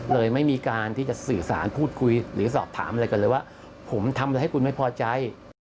ไม่มีการที่จะสื่อสารพูดคุยหรือสอบถามอะไรกันเลยว่าผมทำอะไรให้คุณไม่พอใจ